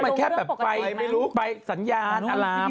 มันแค่แบบไฟไม่ลุกไฟสัญญาณอาราม